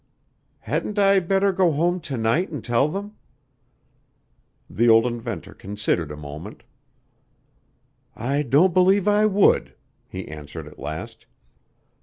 "Hadn't I better go home to night and tell them?" The old inventor considered a moment. "I don't believe I would," he answered at last.